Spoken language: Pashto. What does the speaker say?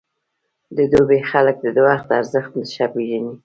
د دوبی خلک د وخت ارزښت ښه پېژني.